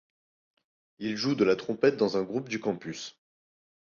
Il joue de la trompette dans un groupe du campus.